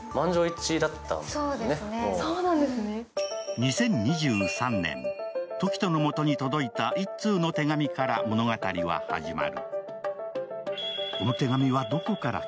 ２０２３年、時翔のもとに届いた一通の手紙から物語は始まる。